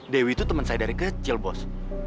dewi itu teman saya dari kecil bos